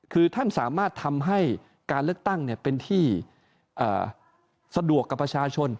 คือท่านสามารถทำให้การเลือกตั้งเป็นที่สะดวกกับประชาชน